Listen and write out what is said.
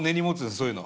そういうの。